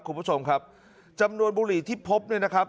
คุณผู้ชมครับจำนวนบุหรี่ที่พบเนี่ยนะครับ